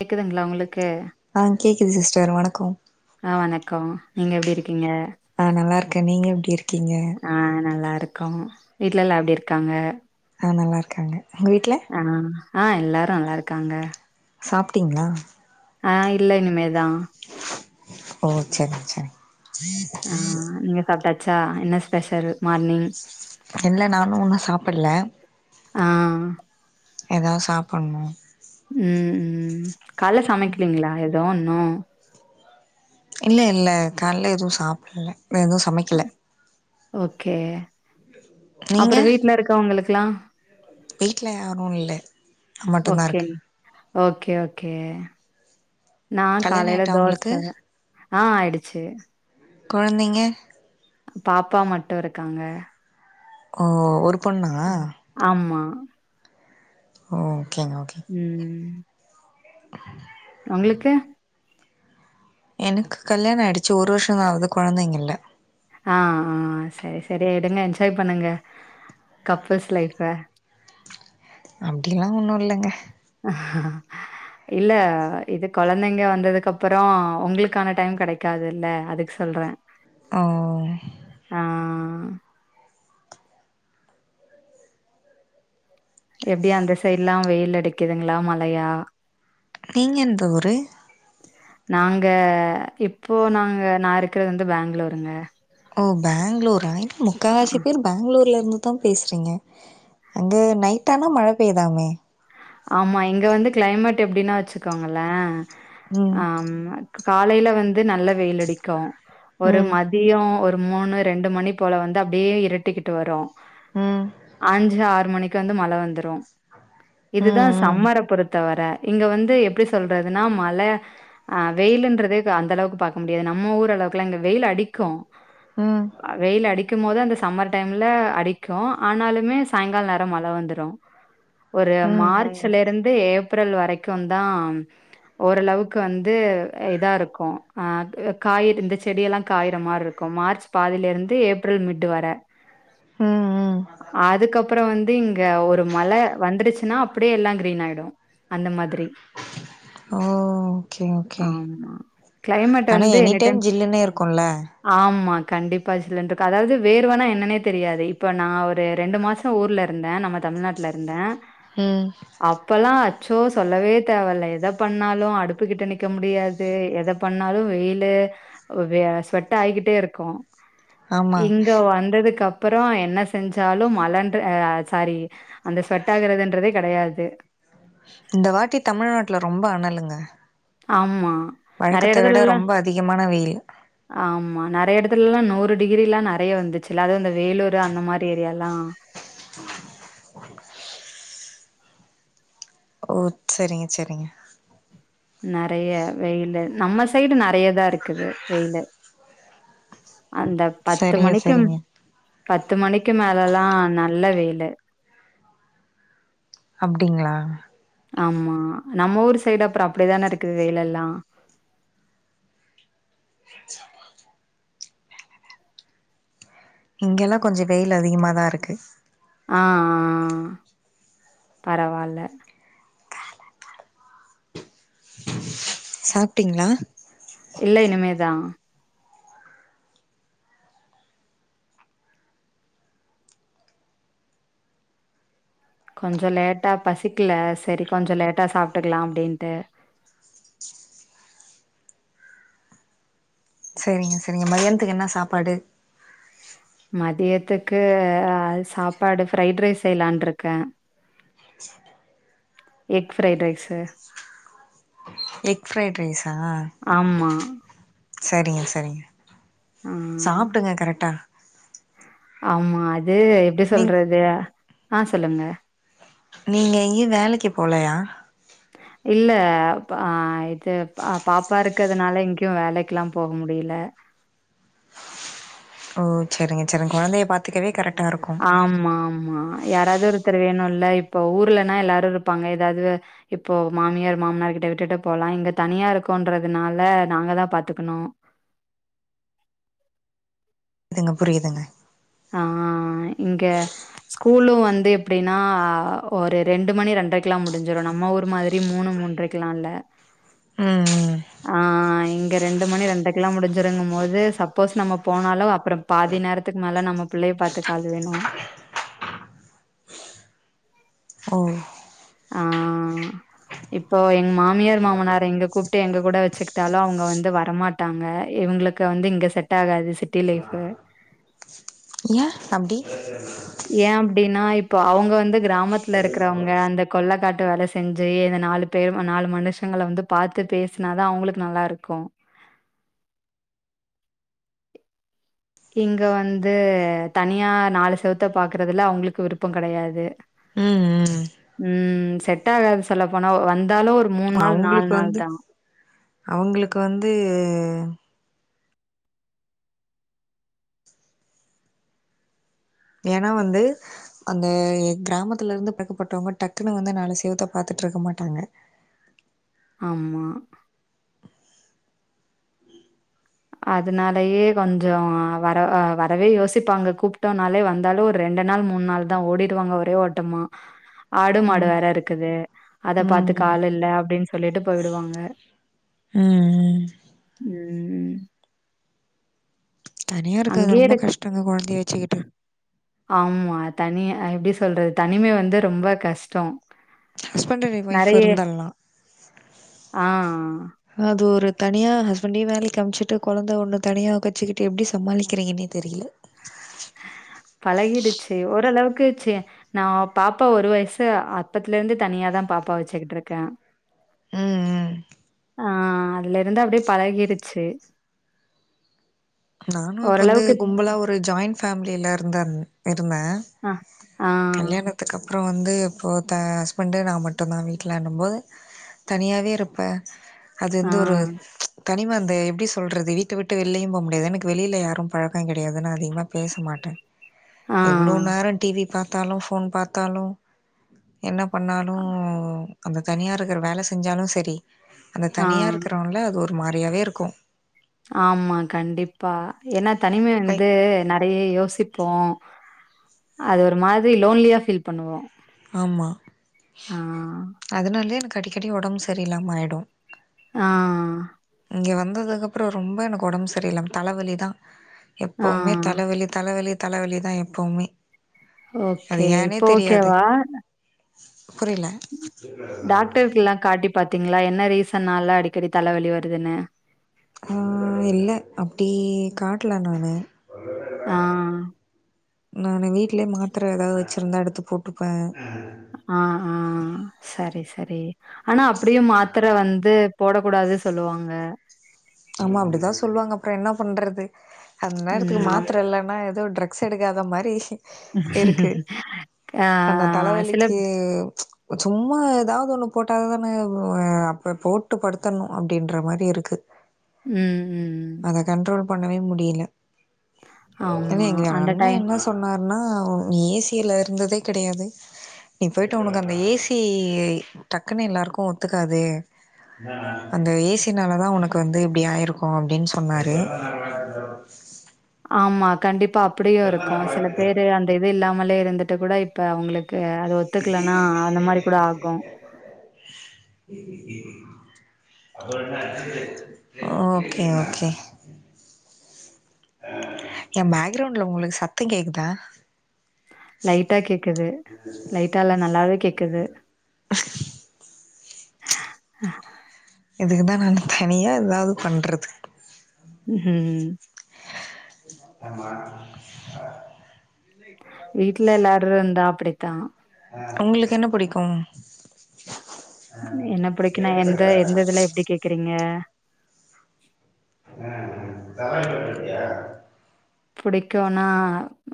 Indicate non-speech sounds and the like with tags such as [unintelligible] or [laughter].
கேக்துங்ளா உங்களுக்கு ஆ கேக்குது சிஸ்டர் வணக்கோ ஆ வணக்கோ நீங்க எப்டி இருக்கீங்க ஆ நல்லார்க்கே நீங்க எப்டி இருக்கீங்க ஆ நல்லாருக்கோ வீட்ல எல்லா எப்டி இர்க்காங்க ஆ நல்லார்க்காங்க உங்க வீட்ல ஆ ஆ எல்லாரு நல்லார்க்காங்க சாப்டிங்ளா ஆ இல்ல இனிமே தா ஓ ச்சரிங் ச்சரிங் ஆ நீங்க சாப்டாச்சா என்ன ஸ்பெஷல் மார்னிங் இல்ல நானு ஒன்னா சாப்பட்ல ஆ ஏதா சாப்பன்ணு ம் ம் கால்ல சமைக்குலீங்ளா எதோ நோ இல்ல இல்ல கால்ல எதுவு சாப்புல எதுவு சமைக்கல ஓகே நீங்க அப்ற வீட்ல இருக்கவுங்களுக்கெல்லா வீட்ல யாரு இல்லே நா மட்டு தா இருக்கே ஓ கே ஓ கே நா கல்யாண காலையில ஆயிட்டா தோச உங்களுக்கு ஆ ஆயிடுச்சு கொழந்தைங்க பாப்பா மட்டு இருக்காங்க ஓ ஒரு பொண்ணா ஆமா ஓகேங்க ஓகே ம் [inaudible] உங்களுக்கு எனக்கு கல்யாணம் ஆயிடுச்சு ஒரு வருஷோ தா ஆவுது கொழந்தைங்க இல்ல ஆ ஆ சரி சரி விடுங்க என்ஜாய் பண்ணுங்க கப்புள்ஸ் லைஃப அப்டி எல்லா ஒன்னு இல்லங்க ஆஹ இல்ல இது கொழந்தைங்க வந்ததுக்கு அப்புறோ உங்களுக்கான டைம் கெடைக் காதில்ல அதுக்கு சொல்றே ஓ ஆ எப்டி அந்த சைட் எல்லா வெயில் அடிக்குதுங்களா மழையா நீங்க எந்த ஊரு நாங்க இப்போ நாங்க நா இருக்கிறது வந்து பெங்களூருங்க ஓ பெங்களூர் என்ன அ முக்கால்வாசி பேர் பெங்களூர் ல இருந்து தா பேசுறீங்க அங்க நைட் ஆனா மழை பெய்தாமே ஆமா இங்க வந்து கிளைமேட் எப்டின்னா வச்சுக்கோங்களே ம் ஆ காலையில வந்து நல்ல வெயில் அடிக்கு ஒரு ம் மத் தியோ ஒரு மூணு ரெண்டு மணி போல வந்து அப்டியே இருட்டிக்கிட்டு வரு ம் அஞ்சு ஆறு மணிக்கு வந்து மழ வந்துரு ஆஹ இதுதா சம்மரை பொறுத்தவரை இங்க வந்து எப்டி சொல்றதுன்னா மழ அ வெயில்ன்றதே அந்த அளவுக்கு பாக்க முடியாது நம்ம ஊர அளவுக்குல்லா இங்க வெயில் அடிக்கு ம் வெயில அடிக்கும் போது அந்த சம்மர் டைம்ல அடிக்கு ஆனாலுமே சாயங்காலோ நேரோ மழை வந்துரு ஒரு ம் மார்ச்ல இருந்து ஏப்ரல் வரைக்கு தா ஓரளவுக்கு வந்து இதா இருக்கு ஆ காய இந்த செடியெல்லா காயற மாரி இருக் கும் மார்ச் பதிலிருந்து ஏப்ரல் மிட்டு வர ம் ம் அதுக்கப்புறம் வந்து இங்க ஒரு மழ வந்துருச்சுன்னா அப்டியே எல்லா கிரீன் ஆயிடு அந்த மாதிரி ஓ ஓகே ஓகே ஆமா. ஆனா எனி டைம் ஜில்லுன்னே இருக்குல்ல ஆமா கண்டிப்பா சில்னு இருக்கு அதாவது வேர்வனா என்னன்னே தெரியாது இப்ப நா ஒரு ரெண்டு மாச ஊர்ல இருந்தே நம்ம தமிழ்நாட்டுல இருந்தே ம் அப்பல்லா அச்சோ சொல்லவே தேவல்ல எத பண்ணாலு அடுப்புகிட்ட நிக்க முடியாது எதை பண்ணாலு வெயிலு வ ஸ்வெட் ஆயிக்கிட்டே இருக்கு ஆமா இங்க வந்ததுக்கு அப்புறோ என்ன செஞ்சாலு மழன்ட அ சாரி அந்த ஸ்வெட் ஆகறிறதுன்றதே கெடையாது இந்த வாட்டி தமிழ்நாட்ல ரொம்ப அனலுங்க ஆம்மா வழக்கத்த விட ரொம்ப அதிகமான வெய்லு ஆமா நறைய எடத்துலல்லா நூறு டிகிரில்லா நறைய வந்துச்சுல்ல அதா அந்த வேலூரு அந்த மாரி ஏரியால்லா ஓ செரிங்க செரிங்க நறைய வெயிலு நம்ம சைடு நறைய தா இருக்குது வெய்லு அந்த பத்து சரிங்க மணிக்கும் சரிங்க பத்து மணிக்கு மேலல்லா நல்ல வெயிலு அப்டிங்ளா ஆமா நம்ம ஊர் சைடு அப்றோ அப்டிதான இருக்கு வெயிலெல்லா [unintelligible] இங்கெல்லா கொஞ்ச வெயில் அதிகமாதா இருக்கு ஆ ஆ பரவால்ல சாப்ட்டீங்ளா இல்ல இனிமேதா கொஞ்சோ லேட்டாக பசிக்கல சரி கொஞ்சோ லேட்டா சாப்ட்டுக்லா அப்டின்ட்டு சேரிங்க சேரிங்க மதியானத்துக்கு என்ன சாப்பாடு மதியத்துக்கு அ சாப்பாடு ஃப்ரைட் ரைஸ் செய்லான் இருக்க egg fried rice egg fried ரைஸா ஆமா. சரிங்க சரிங்க ஆ. சாப்டுங்க கரெட்டா ஆமா அது எப்டி நீ சொல்றது ஆ சொல்லுங்க நீங்க எங்கேயு வேலைக்கு போலயா [inaudible] இல்ல ஆ இது பாப்பா இருக்கிறதுனால எங்யு வேலைக்குல்லா போக முடியல ஓ செரிங்க செரிங்க கொழந்தைய பாத் த்துக்கவே கரெக்டா இருக்கு ஆமா ஆமா யாராது ஒருத்தர் வேணுல்ல இப்ப ஊர்லனா எல்லாரு இருப்பாங்க எதாது இப்போ மாமியார் மாமனார்கிட்ட விட்டுட்டு போலா இங்க தனியா இருக்கோன்றதுனால நாங்க தா பாத்துக்கணு துங்க புரிதுங்க ஆ இங்க ஸ்கூலு வந்து எப்டின்னா ஒரு ரெண்டு மணி ரெண்ரைக்கெல்லா முடிஞ்சிடு நம்ம ஊர் மாதிரி மூணு மூன்ரைக் கிலா இல்ல ம் ம் ஆ இங்க ரெண்டு மணி ரெண்ரை க்குலா முடிஞ்சிருங்கு போது சப்போஸ் நம்ம போனாலு அப்றோ பாதி நேரத்துக்கு மேல நம்ம பிள்ளைய பாத்துக்க ஆள் வேணு ஓ ஆ இப்போ எங்க மாமியார் மாமனார் இங்க கூப்ட்டு எங்க கூட வச்சுக்கிட்டாலு அவங்க வந்து வரமாட் ட்டாங்க இவங்களுக்கு வந்து இங்க செட் ஆகாது சிட்டி லைஃப்பு ஏ அப்டி ஏ அப்டின்னா இப்போ அவங்க வந்து கிராமத்துல இருக்கறவங்க அந்த கொள்ளக்காட்டு வேல செஞ்சு இந்த நாலு பெரு நாலு மனுஷங்கள வந்து பார்த்து பேசினாதா அவங்களுக்கு நல்லா இருக்கு இங்க வந்து தனியா நாலு செவத்த பாக்கறதுல அவங்களுக்கு விருப்பம் கிடையாது உம் உம் செட் ஆகாது சொல்ல போனா வந்தாலு ஒரு மூணு நாள் நாலு அவங்களுக்கு நாள் வந்து தா அவங்களுக்கு வந்து ஏன்னா வந்து அந்த கிராமத்துல இருந்து பழக்கப்பட்டவங்க டக்குன்னு வந்து நாலு செவுத்த பாத்துட்டு இருக்க மாட்டாங்க ஆமா அதனாலயே கொஞ்ச வர வரவே யோசிப்பாங்க கூப்பட்டோம்னாலே வந்தாலும் ஒரு ரெண்டு நாள் மூணு நாள் தா ஓடிடுவாங்க ஒரே ஓட்டமா ஆடு மாடு ம் வேற இருக்குது அத ம் பார்த்துக ம் ஆள் இல்ல அப்படின்னு சொல்லிட்டு போயிடுவாங்க உம் உம் தனியா இருக்கறது அங்கேயே ரொம்ப இருக் கஷ்டங்க குழந்தைய வச்சுக்கிட்டு ஆமா தனியா எப்படி சொல்றது தனிமை வந்து ரொம்ப கஷ்டம் ஹஸ்பண்ட் அண்ட் ஒய்ஃப் நிறைய இருந்துர்லா ஆ அது ஒரு தனியா ஹஸ்பண்டையு வேலைக்கு அமிச்சிட்டு குழந்த ஒன்னு தனியா வக்கச்சிக்கிட்டு எப்டி சமாளிக்கிறீங்கன்னே தெரியல பழகிடுச்சு ஓரளவுக்குச்சு நா பாப்பா ஒரு வயசு அப்பத்துல இருந்து தனியாதா பாப்பா வச்சுக்கிட்டு இருக்க ம் ம் ஆ அதுல இருந்து அப்டியே பழகிடுச்சு நானு இப்போ வந்து ஓரளவுக்கு கும்பலா ஒரு ஜாயிண்ட் ஃபேமிலியில இருந்தது இருந்த ஆ ஆ கல்யாணத்துக்குக்கப்புறம் வந்து இப்போது த ஹஸ்பண்டு நா மட்டும் தா வீட்ல்லன்னும் போது தனியாவே இருப்ப அது ஆ வந்து ஒரு தனிம அந்த எப்டி சொல்லறது வீட்ட விட்டு வெளிலியு போ முடியாது எனக்கு வெளியில்ல யாரு பழக்க கிடையாது என்னா நா அதிகமா பேச மாட்டே ஆ எவ்ளோ நேர டிவி பார்த்தாலு போன் பார்த்தாலு என்ன பண்ணாலு அந்த தனியா இருக்கிற வேல செஞ்சாலு சரி அந்த ஆ தனியா இருக்கிறவன்ல அது ஒரு ஒரு மாரியாவே இருக்கு ஆமா கண்டிப்பா ஏன்னா தனிமை கை வந்து நிறைய யோசி ப்போ அது ஒரு மாரி லோன்லியா ஃபீல் பண்ணுவோ ஆமா ஆ அதனாலயே எனக்கு அடிக்கடி உடம்பு சரியலாம ஆயிடு ஆ இங்க வந்ததுக்க அப்புற ரொம்ப எனக்கு உடம்பு சரியில தலவலி தா ஆ எப்பவுமே தலவலி தலவலி தலவலி தா எப்பவுமே ஓகே இப்ப ஓகேவா புரியில டாக்டருக் எல்லா காட்டி பார்த்தீங்களா என்ன ரீசன்ல்லா அடிக்கடி தலவலி வருதுன்னு ஆ இல்ல அப்டி காட்டல நானு ஆ நானு வீட்லயே மாத்திர ஏதாவது வச்சிருந்தா எடுத்து போட்டுப்ப ஆ ஆ சரி சரி ஆனா அப்டிய மாத்திர வந்து போட கூடாது சொல்லுவாங்க ஆமா அப்படிதா சொல்லுவாங்க அப்புற என்ன பண்றது அந்த நேரத்துக்கு ம் மாத்திர இல்லனா ஏதோ டிரக் எடுக்காத மாரி இருக்கு ஆம் ஆ அந்த சில தலைவலிக்கு சும்மா எதாவது ஒன்னு போட்டால தானே ப்ரோ அப்ப போட்டு படுத்தர்னு அப்டின்ற மாரி இருக்கு ம் ம் அத கண்ட்ரோல் பண்ணவே முடியல ஏங்க ஆமா. எங்க அந்த அண்ணே டைம் என்ன சொ சொன்னாருன்னா ஏசியில இருந்ததே கெடையாது நீ பொயிட்டு உனக்கு அந்த ஏசி டக்குன்னு எல்லாருக்கு ஒத்துக்காது அந்த ஏசினாலதா ஒனக்கு வந்து இப்டி ஆயிருக்கு அப்டின் சொன்னாரு ஆமா கண்டிப்பா அப்டியு இருக்கு பிறந்தநாள் சில பேரு வாழ்த்துக்கள் அந்த இது இல்லாமலே இருந்துட்டு கூட இப்ப அவுங்களுக் க்கு அது ஒத்துக்கலனா அந்த மாரி கூட ஆகு [unintelligible] ஓகே ஓகே எ பேக்ரவுண்ட்ல உங்களுக்கு சத்தோ கேக்குதா லைட்டா கேக்குது லைட்டா இல்ல நல்லாவே கேக்குது ஆ இதுக்கு தா நா தனியா எதாவது பண்ணுறது ம் ஹு ஆமாமா வீட்டுல எல்லாரு இருந்தா அப்டித்தா உங்களுக்கு என்ன புடிக்கும் என்ன புடிக்குன்னா எந்த எந்த இதுலா எப்டி கேக்குறீங்க [unintelligible] புடிக்குன்னா